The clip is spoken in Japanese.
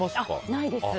ないです。